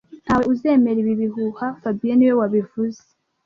Ntawe uzemera ibi bihuha fabien niwe wabivuze